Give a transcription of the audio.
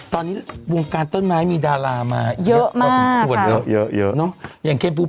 ตอนนี้ต้นไม้มีดารามาเยอะมาก